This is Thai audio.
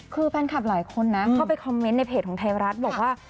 คือแฟนคลับหลายคนนะเข้าไปคอมเมนต์ในเพจของไทยรัฐบอกว่า